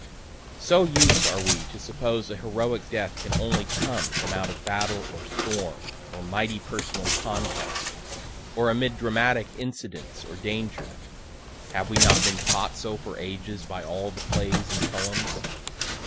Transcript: So used are we to suppose a heroic death can only come from out of battle or storm, or mighty personal contest, or amid dramatic incidents or danger, (have we not been taught so for ages by all the plays and poems?)